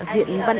huyện văn âu